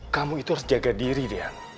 kamu itu harus jaga diri dia